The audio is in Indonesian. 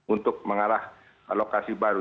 untuk mengarah lokasi baru